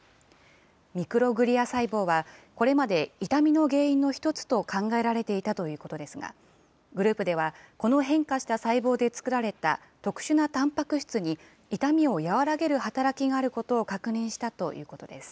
ミクログリア細胞は、これまで痛みの原因の一つと考えられていたということですが、グループではこの変化した細胞で作られた特殊なたんぱく質に痛みを和らげる働きがあることを確認したということです。